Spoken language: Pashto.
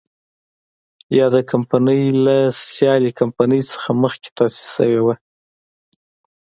یاده کمپنۍ له سیالې کمپنۍ څخه مخکې تاسیس شوې وه.